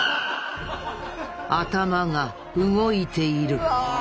頭が動いている。